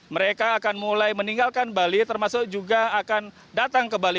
mereka akan mulai meninggalkan bali termasuk juga akan datang ke bali